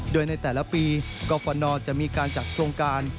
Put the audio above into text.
โดยในแต่ละปีกรฟนจะมีการจัดโครงการ